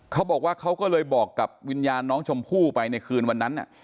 เขาบอกว่าเขาก็เลยบอกกับวิญญาณน้องชมพู่ไปในคืนวันนั้น